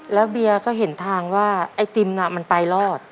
แล้วเบียร์ก็เห็นทางว่าไอติมน่ะมันไปรอด